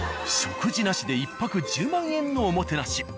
食事なしで１泊１０万円のおもてなし。